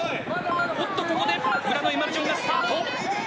おっと、ここで浦野エマルジョンがスタート！